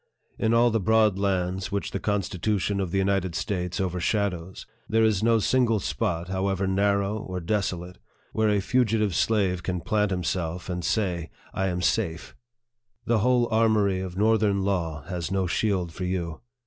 In all the broad lands which the Constitution of the United States over shadows, there is no single spot, however narrow or desolate, where a fugitive slave can plant himself and say, " I am safe." The whole armory of North ern Law has no shield for you.